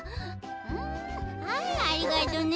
んはいありがとね。